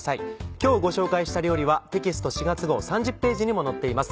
今日ご紹介した料理はテキスト４月号３０ページにも載っています